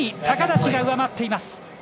高梨が上回っています。